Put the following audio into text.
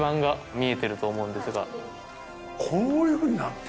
こういうふうになって。